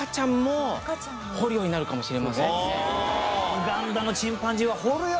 ウガンダのチンパンジーは掘るよ